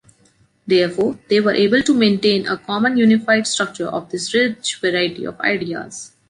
Therefore, they were able to maintain a common unified structure of this rich variety of ideas.